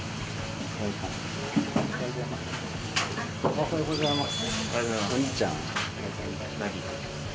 おはようございます。